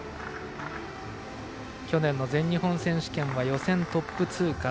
去年の全日本選手権は予選トップ通過。